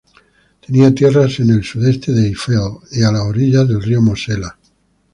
Tenía tierras en el sudeste de Eifel y a orillas del río Mosela.